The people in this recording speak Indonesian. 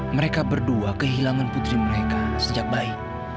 mereka berdua kehilangan putri mereka sejak bayi